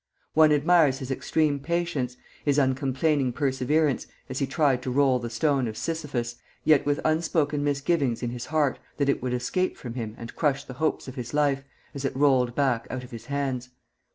One admires his extreme patience, his uncomplaining perseverance, as he tried to roll the stone of Sisyphus, yet with unspoken misgivings in his heart that it would escape from him and crush the hopes of his life, as it rolled back out of his hands.